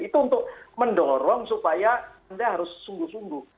itu untuk mendorong supaya anda harus sungguh sungguh